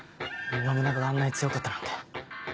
信長があんなに強かったなんて。